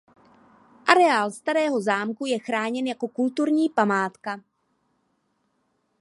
Areál starého zámku je chráněn jako kulturní památka.